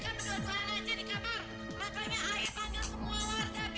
dari sejak ibu ayah ini datang terus ke kosannya dia ini